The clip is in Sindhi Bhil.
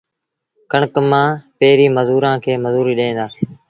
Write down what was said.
ڪڻڪ مآݩ پيريݩ مزورآݩ کي مزوريٚ ڏيݩ دآ